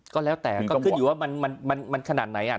ก็แล้วแต่ก็ขึ้นอยู่ว่ามันขนาดไหน